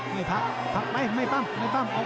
มันพักไว้ไม่ตั้มแล้วเข้าไป